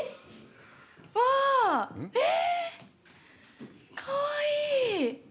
わあ、かわいい。